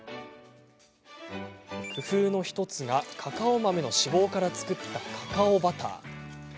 工夫の１つがカカオ豆の脂肪から作ったカカオバター。